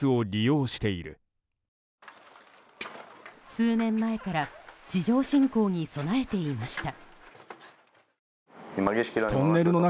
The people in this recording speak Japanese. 数年前から地上侵攻に備えていました。